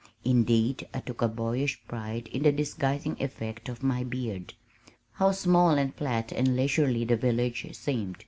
Indeed I took a boyish pride in the disguising effect of my beard. How small and flat and leisurely the village seemed.